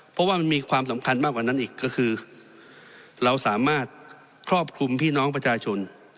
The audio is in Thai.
เพราะว่ามันมีความสำคัญมากกว่านั้นอีกก็คือเราสามารถครอบคลุมพี่น้องประชาชน